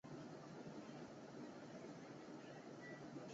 埃里克王朝的瑞典国王。